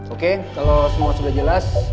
oke kalau semua sudah jelas